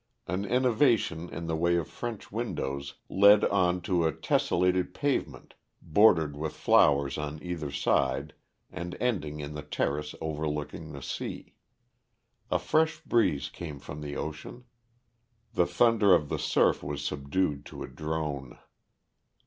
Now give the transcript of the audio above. An innovation in the way of French windows led on to a tessellated pavement bordered with flowers on either side and ending in the terrace overlooking the sea. A fresh breeze came from the ocean; the thunder of the surf was subdued to a drone.